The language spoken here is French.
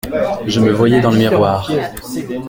Je me voyais dans le miroir.